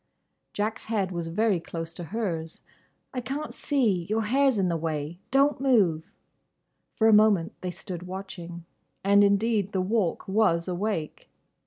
Jack's head was very close to hers. "I can't see; your hair's in the way. Don't move!" For a moment they stood watching. And indeed the Walk was awake.